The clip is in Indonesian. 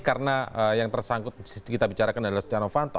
karena yang tersangkut kita bicarakan adalah setia novanto